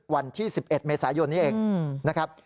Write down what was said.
วันที่สิบเอ็ดเมษายนเนี้ยเองอืมนะครับ